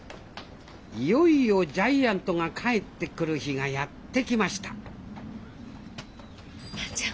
いよいよジャイアントが返ってくる日がやって来ましたまあちゃん！